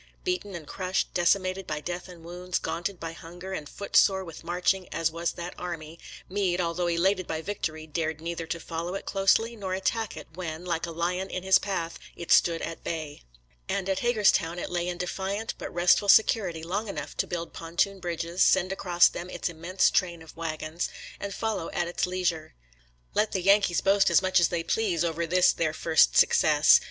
Beaten and crushed, decimated by death and wounds, gaunted by hunger and footsore with marching as was that army, Meade, although elated by victory, dared neither to follow it closely nor attack it when, like a lion in his path, it stood at bay ; and at Hagerstown it lay in defiant but restful security long enough to build pontoon GETTYSBURG 133 bridges, send across them its immense train of wagons, and follow at its leisure. Let the Yan kees boast as much as they please over this their first success.